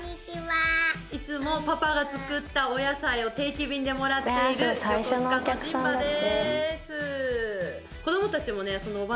いつもパパが作ったお野菜を定期便でもらっている横須賀のじんばです。